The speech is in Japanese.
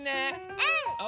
うん！